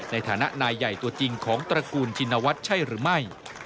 ในฐานะนายใหญ่ตัวจริงของตระกูลชินวัฒน์ใช่หรือไม่